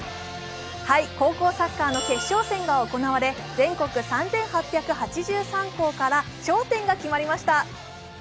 高校サッカーの決勝戦が行われ全国３８８３校から頂点が決まりました。